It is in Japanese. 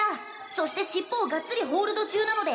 そして尻尾をガッツリホールド中なので